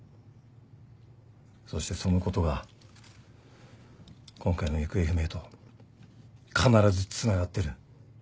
そしてそのことが今回の行方不明と必ずつながってる。